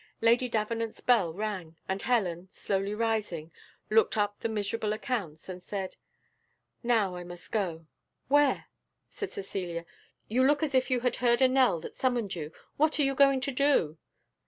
Lady Davenant's bell rang, and Helen, slowly rising, took up the miserable accounts, and said, "Now I must go " "Where!" said Cecilia; "you look as if you had heard a knell that summoned you what are you going to do?"